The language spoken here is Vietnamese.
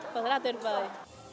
phở rất là tuyệt vời